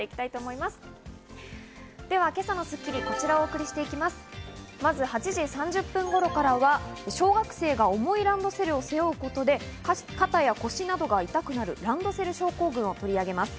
まず８時３０分頃からは小学生が重いランドセルを背負うことで肩や腰などが痛くなるランドセル症候群を取り上げます。